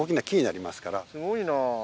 すごいなぁ。